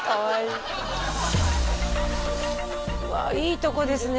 いいとこですね